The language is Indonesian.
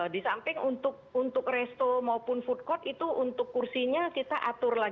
di samping untuk resto maupun food court itu untuk kursinya kita atur